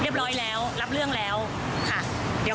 เรียบร้อยแล้วรับเรื่องแล้วค่ะ